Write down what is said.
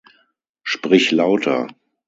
Sprich lauter.